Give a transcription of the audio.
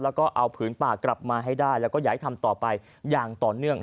แล้วก็เอาผืนป่ากลับมาให้ได้แล้วก็อย่าให้ทำต่อไปอย่างต่อเนื่อง